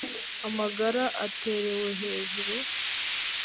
Amagara aterewe hejuru